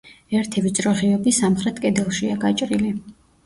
ერთი ვიწრო ღიობი სამხრეთ კედელშია გაჭრილი.